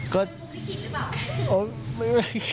ก็โอ้ไม่